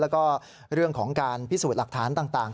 แล้วก็เรื่องของการพิสูจน์หลักฐานต่าง